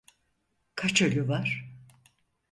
Kaç ölü var?